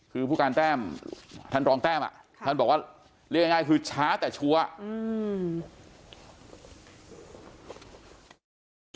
คือผู้การแต้มท่านรองแต้มอ่ะท่านบอกว่าเรียกง่ายคือช้าแต่ชัวร์อืม